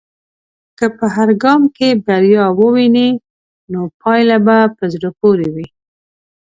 که په هر ګام کې بریا ووینې، نو پايله به په زړه پورې وي.